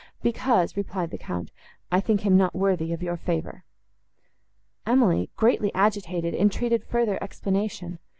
—"Because," replied the Count, "I think him not worthy of your favour." Emily, greatly agitated, entreated further explanation.